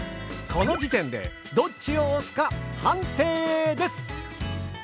この時点でどっちを推すか判定です！